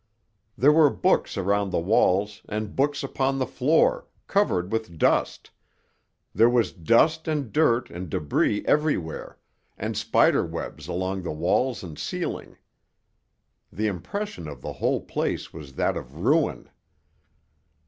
There were books around the walls and books upon the floor, covered with dust; there was dust and dirt and débris everywhere, and spider webs along the walls and ceiling. The impression of the whole place was that of ruin.